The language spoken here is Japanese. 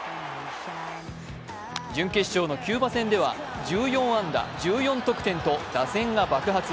準決勝のキューバ戦では１４安打１４得点と打線が爆発。